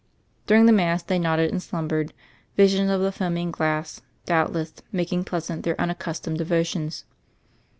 Dunng the Mass, they nodded and slumbered, visions of the foaming glass, doubtless, making pleasant their unaccustomed devotions.